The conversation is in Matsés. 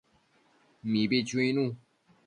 Mibi chuinu